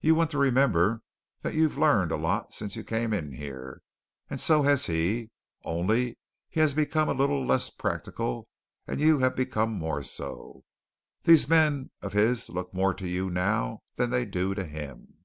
You want to remember that you've learned a lot since you came in here, and so has he, only he has become a little less practical and you have become more so. These men of his look more to you now than they do to him."